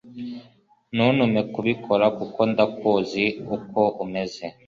Ntuntume kubikora kuko ndakuzi uko umeze.